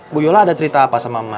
bu yola ada cerita apa sama emak